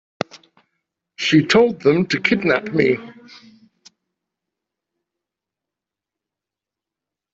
She told them to kidnap me.